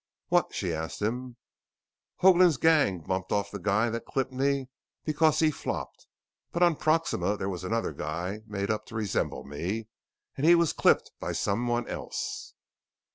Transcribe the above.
"What?" she asked him. "Hoagland's gang bumped off the guy that clipped me because he flopped. But on Proxima there was another guy made up to resemble me and he was clipped by someone else."